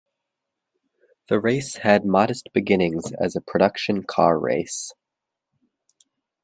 The race had modest beginnings as a production car race.